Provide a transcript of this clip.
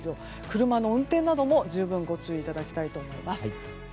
車の運転なども十分ご注意いただきたいと思います。